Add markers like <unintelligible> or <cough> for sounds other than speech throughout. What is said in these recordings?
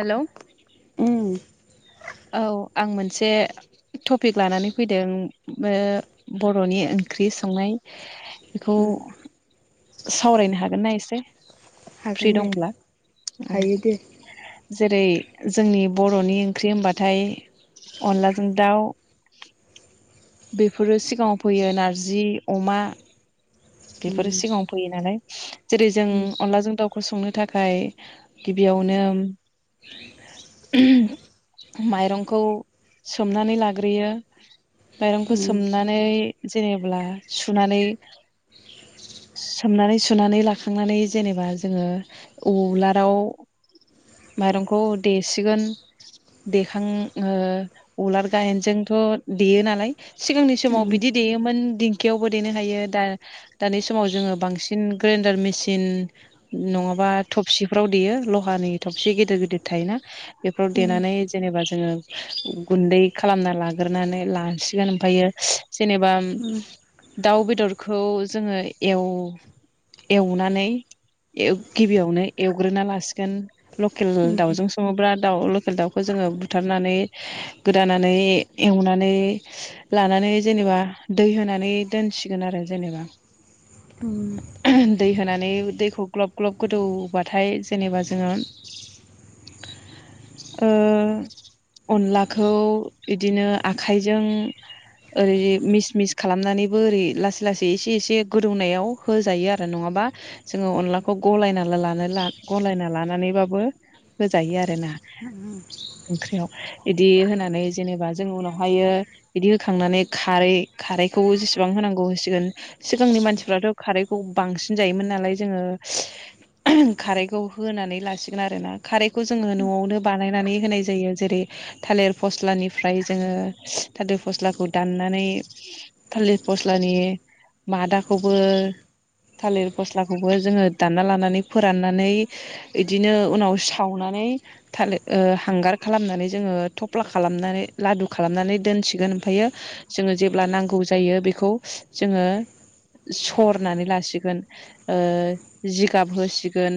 हेल' ओम औ आं मोनसे टपिक लानानै फैदों बर'नि ओं ख्रि संनाय बेखौ उम सावरायनो हागोन ना एसे हागोन फ्रि दे दंब्ला औ हायो दे जेरै जोंनि बर'नि ओंख्रि होनबाथाय अनला जों दाउ बेफोरो सिगाङाव फैयो नारजि अमा उम बेफोरो सिगाङाव फैयो नालाय जेरै जों उम अनलाजों दाउखौ संनो थाखाय गिबियाव नो माइरंखौ सोमनानै लाग्रोयो माइरंखौ उम सोमनानै जेनेब्ला सुनानै सोमनानै सुनानै लाखांनानै जेनेबा जोङो उलाराव माइरंखौ देसिगोन देखां ओ उलार गाइनजोंथ' देयो नालाय सिगांनि समाव बिदि देयोमोन दिंखियावबो देनो हायो दा। दानि समाव जोङो बांसिन ग्रेन्डार मेसिन नङाबा थबसिफ्राव देयो । लहानि थबसि गिदिर गिदिर थायोना बेफोराव उम देनानै जेनेबा जोङो गुन्दै खालामना लाग्रोनै लासिगोन ओमफ्रायो जेनेबा उम दाउ बेदरखौ जोङो एव एवनानै गिबियावनो एवग्रोना लासिगोन । लकेल दाउजों सङो बिराद दा लकेल दाउखौ जोङो बुथारनानै गोदानानै एवनानै लानानै जेनेबा दै होनानै दोनसिगोन आरो जेनेबा ओम। दै होनानै दैखौ ग्ल'ब ग्ल'ब गोदौबाथाय जेनेबा जोङो ओ अनलाखौ बिदिनो आखाइजों ओरै मिस मिस खालामनानैबो ओरै लासै लासै सिलासे एसे एसे गोदौनायाव होजायो आरो नङाबा जोङो अनलाखौ गलायना लानो ला गलायना लानानैबाबो होजायो आरोना ओंख्रियाव बिदि होनानै जेनेबा जों उनावहायो बिदि होखांनानै खारै खारैखौ जेसेबां होनांगौ सिगोन सिगांनि मानसिफ्राथ' खारैखौ बांसिन जायोमोन नालाय जोङो खारैखौ होनानै लासिगोन आरो ना खारैखौ जोङो न'आवनो बानायनानै होनाय जायो जेरै थालिर फस्लानिफ्राय जोङो थालिर फस्लाखौ दाननानै थालिर फ स्लानि मादाखौबो थालिर फस्लाखौबो जोङो दानना लानानै फोराननानै इदिनो उनाव सावनानै हांगार खालामनानै जोङो थफ्ला खालामनानै लादु खालामनानै दोनसिगोन मोनफायो जोङो जेब्ला नांगौ जायो बेखौ जोङो सरनानै लासिगोन जिगाब होसिगोन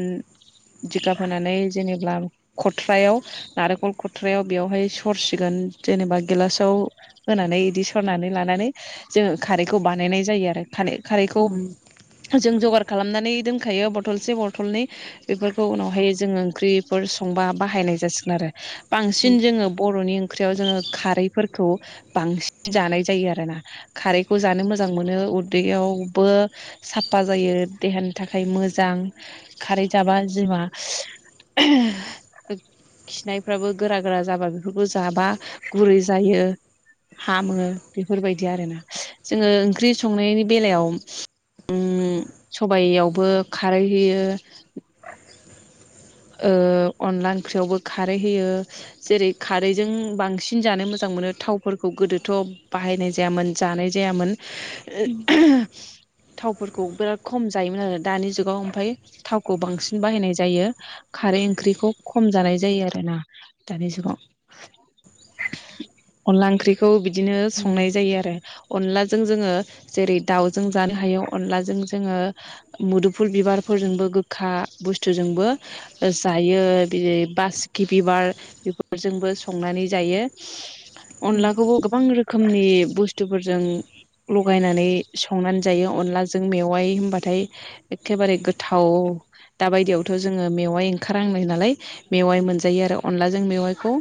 जिगाब होनानै जेनेबा खथ्रायाव नारेंखल खथ्रायाव बेवहाय सरसिगोन जेनेबा गिलासाव होनानै इदि सरनानै लानानै जोङो खारैखौ बानायनाय जायो आरो खाना खारैखौ जों जगार खालामनानै दोनखायो बथलसे बथलनै बेफोरखौ उनावहाय जोङो ओंख्रिफोर संबा बाहायनाय जासिगोन आरो बांसिन जोङो बर'नि ओं ख्रियाव जोङो खारैफोरखौ बांसिन जानाय जायो आरोना खारै खौ जानो मोजां मोनो उदैयावबो साफा जायो देहानि थाखाय मोजां खारै जाबा जिमा खिनायफ्राबो गोरा गोरा जाबा बेफोरफोरखौ जाबा गुरै जायो। हामो बेफोरबायदि आरो ना जोङो ओंख्रि संनायनि बेलायाव सबाइयावबो खारै होयो ओ अनला ओंख्रियावबो खारै होयो जेरै खारैजों बांसिन जानो मोजां मोनो थावफोरखौ गोदोथ बाहायनाय जायामोन जानाय जायामोन थावफोर खौ बिराद खम जायोमोन आरो दानि जुगाव ओमफाय थावखौ बांसिन बाहायनाय जायो खारै ओंख्रिखौ खम जानाय जायो आरो ना दानि जुगाव अनला ओंख्रिखौ बिदिनो संनाय जायो आरो। अनलाजों जोङो जेरै दाउजों जानो हायो अनलाजों जोङो मुदुफुल बिबार फोरजोंबो गोखा बुस्थुजोंबो जायो बि बासकि बिबार बेफोरजोंबो संनानै जायो। अनलाखौबो गोबां रोखोमनि बुस्थुफोरजों लगायनानै संनानै जायो अनलाजों मेवाय होनबाथाय एखेबारे गोथाव दा बायदियावथ जोङो मेव वाय ओंखारांनाय नालाय मेवाय मोन जायो आरो अनलाजों मेवखौ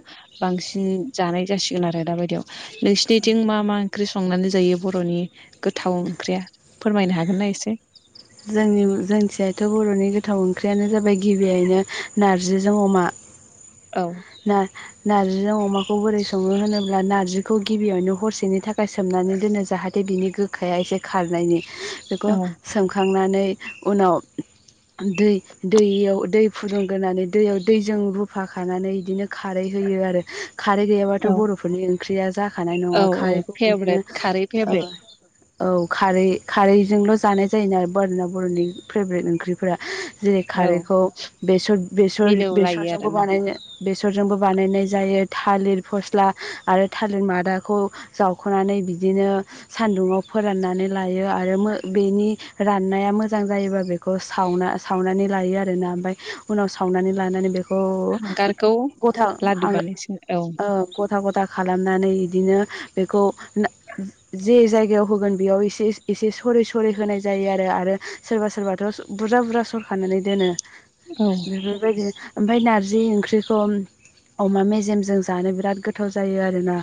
बांसिन जानाय जासि गोन आरो दाबायदियाव नोंसिनिथिं मा मा ओंख्रि संनानै जायो बर'नि गोथाव ओंख्रिया फोरमायनो हागोनना एसे जोंनि जोंथिंजायथ' बर'नि गोथाव ओंख्रियानो जाबाय गिबियैनो नारजिजों अमा औ ना-नार जो अमाखौ बोरै सङो होनोब्ला नारजिखौ गिबियावनो हरसेनि थाखाय सोमनानै दोनो जाहाथे बिनि गोखाया एसे खारनायनि बेख औ सों नै उनाव दै-दैयाव दै फुदुंगोनानै दैयाव दैजों रुफा खानानै इदिनो खारै होयो आरो खारै गैयाबाथ औ बर'फोरनि ओंख्रिया जा खानाय नङा औ खारैखौ बिदिनो फेभरेट खारै फेभरेट ओ औ खारै खारैजोंल जानाय जायोना बोरना बर'नि फेभ्रेट ओंख्रिफोरा जेरै औ खारैखौ मिलौलायो बेसर-बेसर-बेसरजोंबो आरोना बानायनो बेसरजोंबो बानायनाय जायो थालिर फस्ला आरो थालिर मादाखौ जावख'नानै बिदिनो सान्दुंआव फोराननानै लायो आरो मो बेनि राननाया मोजां जायोबा बेखौ सावना सावनानै लायो आरोना ओमफाय उनाव सावनानै लानानै बेख ग हांगारखौ गथा लादु हांओ बानायसिगोन औ ओ गथा गथा खालामनानै इदिनो बेखौ नो जे जायगायाव होगोन बेयाव एसे एसे स सरै सरै होनाय जायो आरो सोरबा सोरबाथ' बुरजा बुरजा सर खानानै दोनो औ बेफोरबायदि ओमफाय नारजि जि ओंख्रिखौ अमा मेजेमजों जानो बिराद गोथाव जायो आरोना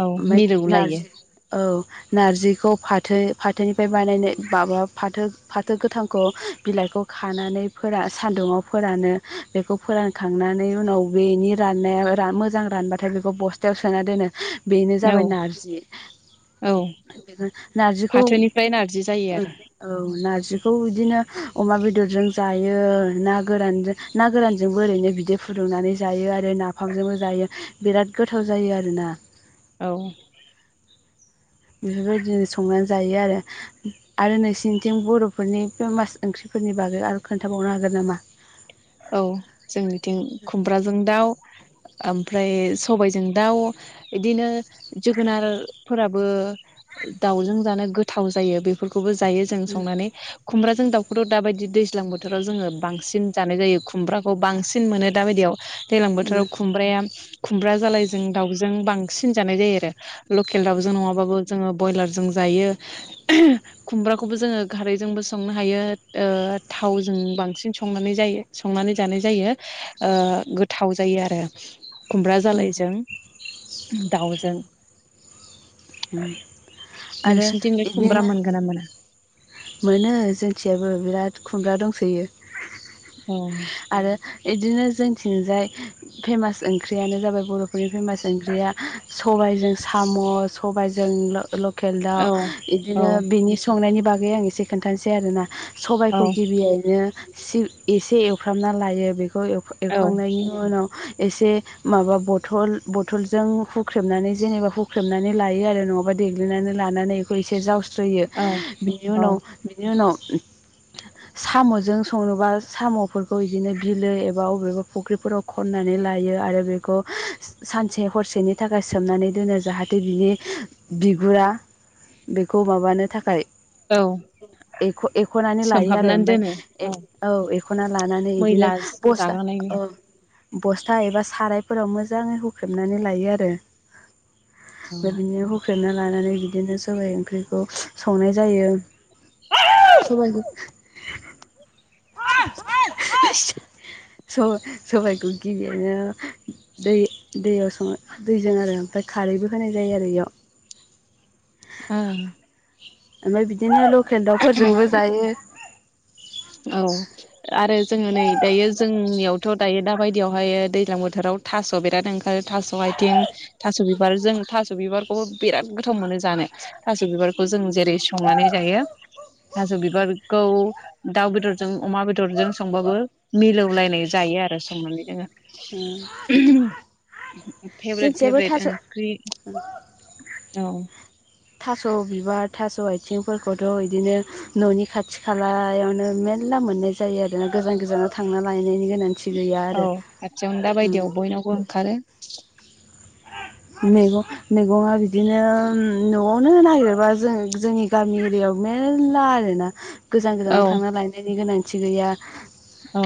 औ ओममाय मिलौलायो नारजि औ नारजिखौ फाथो फाथोनिफाय बानायनाय माबा फाथो फाथो गोथांखौ बिलाइखौ खानानै फोरा सान्दुङाव फोरानो बेखौ फोरानखांनानै उनाव बेनि राननाया रा मोजां रानबाथाय बेखौ बस्थायाव सोना दोनो बेनो औ जाबाय नार्जि औ एबो नार्जिखौ फाथोनिफ्राय नारजि जायो ओ आरो औ नारजिखौ बिदिनो अमा बेदरजों जायो ना गोरानजो ना गोरानजोंबो ओरैनो बिदै फुदुंनानै जायो आरो नाफामजोंबो जायो बिराद गोथाव जायो आरोना औ बेफोरबायदिनो संनानै जायो आरो आरो नोंसिोरनिथिं बर'फोरनि फेमास ओंख्रि फोरनि बागै आरो खोन्थाबावनो हागोन नामा? औ जोंनिथिं खुमब्राजों दाउ ओमफ्राय सबायजों दाउ इदिनो जोगोनार फोराबो दाउजों जानो गोथाव जायो बेफोरख खोबो जायो जों संनानै खुमब्राजों दाउखौथ दाबायदि दैज्लां बोथोराव जोङो बांसिन जानाय जायो खुमब्राखौ बांसिन मोनो दाबायदियाव दैलां बोथोराव खुमब्राया खुमब्रा जालायजों दाउजों बांसिन जानाय जायो आरो लकेल दाउजों नङाबाबो जोङो बयलारजों जा यो खुमब्राखौबो जोंङो खारैजोंबो संनो हायो ओ थावजों बांसिन संनानै जायो संनानै जानाय जायो ओ गोथाव जायो आरो खुमब्रा जालायजों दाउजों। आरो नोंसिनिथिंलाय खुमब्रा इदिनो मोनगोन ना मोना मोनो जों थिंजायबो बिराद खुमब्रा दंसोयो! औ- बिदिनो जोंथिंजाय फेमास ओंख्रियानो जाबाय बर'फोरनि फेमास ओंख्रिया सबाइ स सबाइजों साम सबाइ जों ल लकेल दाउ औ औ बिदिनो बिनि संनायनि बागै आं एसे खोन्थानोसै आरोना सबायखौ गिबियैनो एसे एसे एवफ्रामना लायो बेखौ एव औ एवखांनायनि उनाव एसे माबा बथल बथलजों हुख्रेमनानै जेनेबा हुख्रेमनानै लायो आरो नङाबा देग्लिनानै लानानै बेखौ एसे जावस्रो सोयो औ बिनि औ उनाव बिनि उनाव साम'जों संनोबा साम'फोरखौ बिदिनो बिलो एबा अबेबा फुख्रिफोराव खन्नानै लायो आरो बेखौ सानसे हरसेनि थाखाय सोमनानै दोनो जाहाथे बिनि बिगुरा बेखौ माबानो थाखाय औ एख' एख'नानै लायो आरो सोमहाबनानै ओमफ्राय दोनो औ एख'ना लानानै बिदिनो मैला ब स्था जागानायनि अ बस्था एबा साराय फोराव मोजाङै हुख्रेबनानै लायो आरो औ ओमफ्राय बिदिनो हुख्रेबना लानानै बिदिनो सबाइ ओंख्रिखौ संनाय जायो सबाइखौ <unintelligible> स सबायाइखौ गिबिनो दै दैयाव सङो दैजों आरो ओमफ्राय खारैबो होनाय जायो आरो इयाव उम ओमफ्राय बिदिनो लकेल दाउफोरजोंबो जायो। औ आरो जोङो नै दायो जोंनियावथ' दायो दा बायदियावहाय दैलां बोथोर राव थास' बिराथ ओंखारो थास' आथिं थास' बिबार जों थास' बिबारखौबो बिरात गोथाव मोनो जों जानो थास' बिबारखौ जों जेरै संनानै जायो थास' बिबारखौ दाउ बेदरजों अमा बेदरजों संबाबो मिलौलायनाय जायो आरो संनानै जोङो! उम फेभरेट <inaudible> फेभरेट ओंख्रि जोंथिजायबो औ थास' थास' बिबार थास' आथिंफोरखौथ' इदिनो न'नि खाथि खालायावनो मे मेल्ला मोननाय जायो आरो गोजान गोजानाव थांना लाय नायनि गोनांथि गैया औ आरो खाथियावनो दा उम! बायदियाव बयनावबो ओंखारो <inaudible> मैगं मैगङा बिदिनो न'आवनो नागिरबा जों जोंनि गामि एरिया आवनो मेरल्ला आरोना गोजान गोजानाव औ थांना लायनायनि गोनांथि गैया। औ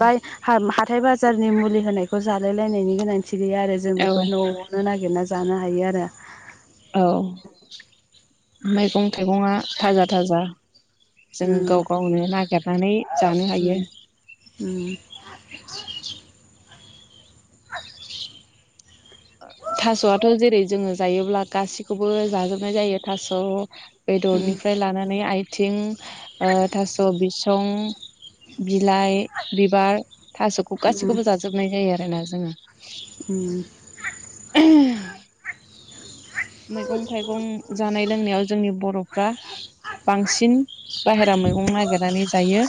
बाय हाम हा हाथाय बाजारनि मुलि होनायखौ जालाय लायनायनि गोनांथि गैया आरो जों औ बेफोर न'आवनो नागिरना जानो हायो आरो औ मैगं थाइगंआ थाजा थाजा जोङो उम गाव गावनो नागिरनानै जानो हायो। <inaudible> उम <inaudible> थास'आथ' जेरै जोङो जायोब्ला गासिखौबो जाजोबनाय जायो थास' उम बेदरनिफ्राय लानानै आइ थिं ओ थास' बिसं बिलाइ बिबार थास'खौ गासैखौबो जाजोबनाय जायो आरोना जोङो। उम <inaudible> मैगं थाइगं जानाय लोंनायाव जोंनि बर'फ्रा बांसिन बाहेरा मैगं नागिरनानै जायो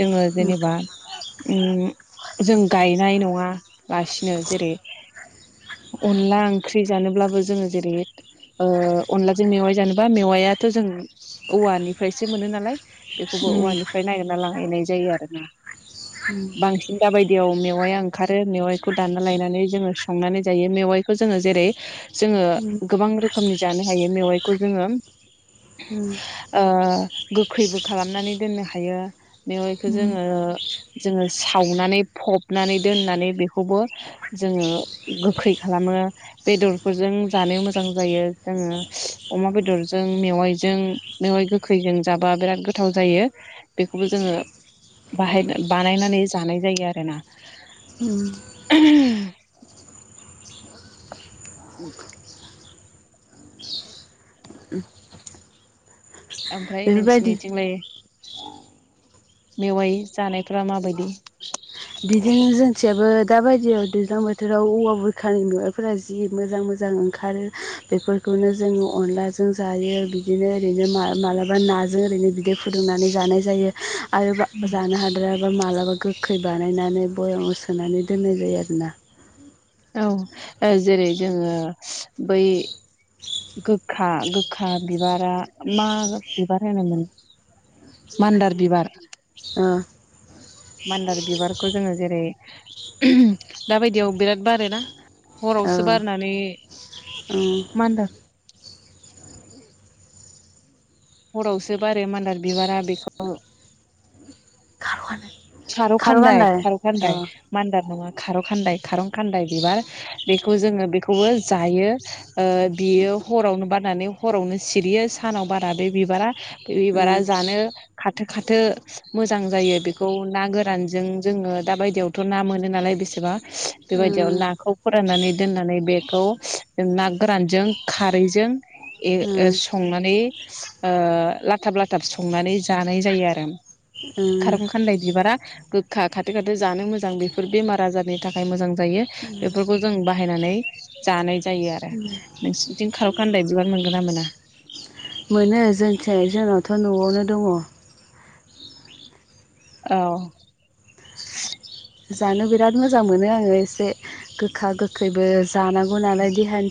जोङो जेनेबा उम जों गायनाय नङा लासिनो जेरै अनला ओंख्रि जानोब्लाबो जोङो जेरै ओ अनलाजों मेवाइ जानोबा मेवायाथ' जों औवानिफ्रायसो मोनो नालाय बेखौबो उम औवानिफ्राय नागिरना लाांहैनाय जायो आरोना बांसिन दाबायदि दैयाव मेवाइआ ओंखारो मेवाइखौ दानना लायनानै जोङो सांनानै जायो मेवाइखौ जोङो जेरै जोङो उम गोबां रोखोमनि जानो हायो मेवाइखौ जोङो औ गोखैबो खालामनानै दोननो हायो मेवायखौ उम जोङो जोङो सावनानै फबनानै दोननानै बेखौबो जोङो गोखै खालामो। ओ बेदरफोरजों जानायाव मोजां जायो जोङो अमा बेदरजों मेेवाइजों मेवाइ गोखैजों जाबा बिराद गोथाव जायो। बेखौबो जोङो बाहाय बानायनानै जानाय जायो आरोना। उम। <inaudible> उम। आमफ्राय नोंसिनिथिंलाय मेवाइ जानायफोरा माबायदि? बिदिनो जोंथियाबो दाबायदियाव दैज्लां बोथोराव औवा बुरखानि मेवाइफोरा जि मोजां मोजां ओंखारो, बेफोरखौ नो जों अनलाजों जायो, बिदिनो ओरैनो मा-मालाबा नाजों ओरैनो बिदै फुदुंनानै जानो नाय जायो आरो बा उम जानो हाद्रायाबा मालाबा गोखै बानायनानै बयामाव सोनानै दोननाय जायो आरोना। औ ओ जेरै जोङो बै गोखा गोखा बिबारा मा बिबार होनोमोन मान्दार बिबार ओ मान्दार बिबारखौ जोङो जेरै उम दाबायदियाव बिराद बारोना? हरावसो औ बारनानै उम मानदार हरावसो बारो मानदार बिबारा बेखौ <unintelligible> खार' खारुखान्दाय गान्दाय खारुखान्दाय, औ मान्दार नङा। खारखान्दाय खारंखान्दाय बिबार बेखौ जोङो बेखौबो जायो। ओ बियो हरावनो बारनानै हरावनो सिरियो सानाव बारा बे बिबारा बे बिबारा उम जानो खाथो खाथो मोजां जायो बेख खौ ना गोरानजों जोङो दा बायदियावथ' ना मोनो नालाय बेसेबा बेबायदियाव उम नाखौ फोराननानै दोननानै बे खौ जों ना गोरानजों खारैजों ए ओ उम उम संनानै ओ लाथाब लाथाब संनानै जानाय जायो आरो। उम। खारं खान्दाय बिबारा गोखा खाथो खाथो जानो मोजां बेफोर बेमार आजारनि थाखाय मोजां जायो बेफोरखौ जों बाहायनानै जानाय जायो आरो। नोंसिनिथिं खारखान्दाय बिबार मोनगोना मोना? मोनो जोंथिंजाय जोंनावथ' न'आवनो दङ। औ। जानो बिराद मोजां मोनो एसे गोखा गोखैबो जानांगौ नालाय देहानि